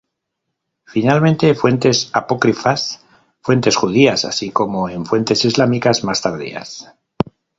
Finalmente, fuentes apócrifas, fuentes judías así como en fuentes islámicas más tardías.